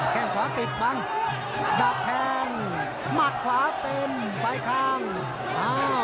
แค่งขวาติดบังดับแทงหมัดขวาเต็มไปข้างอ่า